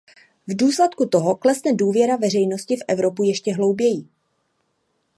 V důsledku toho klesne důvěra veřejnosti v Evropu ještě hlouběji.